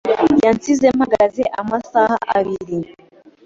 Yansize mpagaze amasaha abiri.